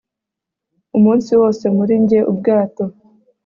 umunsi wose muri njye-ubwato